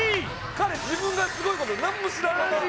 彼自分がすごい事なんも知らんまま。